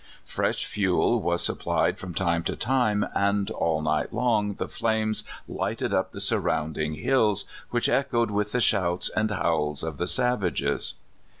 Fresh fuel was supplied from time to time, and all nii^ht long the flames lighted up the surrounding hills, which echoed with the shouts and howls of the savages.